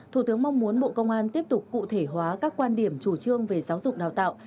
thủ tướng mong muốn bộ công an tiếp tục cụ thể hóa các quan điểm chủ trương về giáo dục đào tạo